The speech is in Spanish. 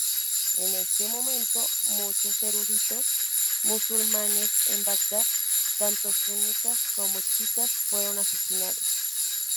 En este momento, muchos eruditos musulmanes en Bagdad, tanto sunitas como chiitas fueron asesinados.